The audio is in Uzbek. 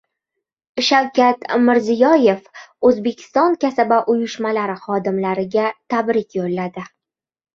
Shavkat Mirziyoyev O‘zbekiston kasaba uyushmalari xodimlariga tabrik yo‘lladi